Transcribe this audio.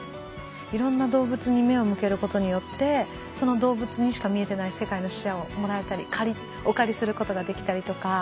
いろんな動物に目を向けることによってその動物にしか見えてない世界の視野をもらえたりお借りすることができたりとか。